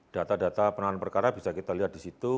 data data penanganan perkara bisa kita lihat disitu